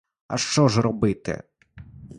А що ж робити?